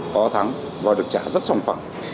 có thắng và được trả rất sòng phẳng